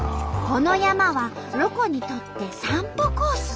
この山はロコにとって散歩コース。